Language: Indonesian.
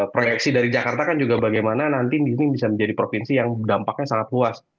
proyeksi dari jakarta kan juga bagaimana nanti ini bisa menjadi provinsi yang dampaknya sangat luas